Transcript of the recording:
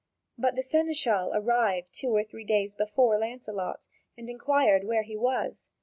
But the seneschal arrived two or three days before Lancelot, and inquired where he was.